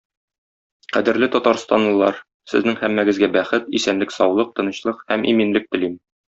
Кадерле татарстанлылар, сезнең һәммәгезгә бәхет, исәнлек-саулык, тынычлык һәм иминлек телим.